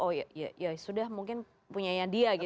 oh ya sudah mungkin punya dia gitu kan